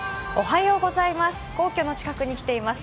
皇居の近くに来ています。